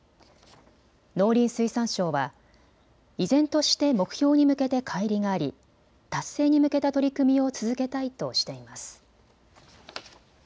農林水産省は、依然として目標に向けてかい離があり達成に向けた取り組みを続けたいとしています。